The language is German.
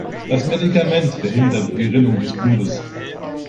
Das Medikament verhindert die Gerinnung des Blutes.